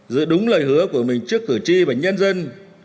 giữa đúng lời hứa của mình trước cử tri và nhân dân